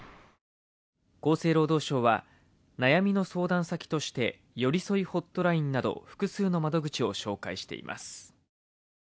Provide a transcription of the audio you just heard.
厚生労働省は悩みの相談先としてよりそいホットラインなど複数の窓口を紹介しています。